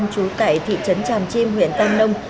người dân trú tại thị trấn tràm chim huyện tam nông